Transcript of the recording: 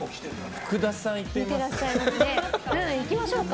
福田さん、いってみましょうか。